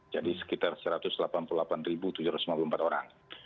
jadi sekitar satu ratus delapan puluh delapan tujuh ratus lima puluh empat orang